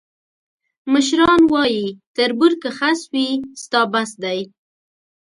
مشران وایي: تربور که خس وي، ستا بس دی.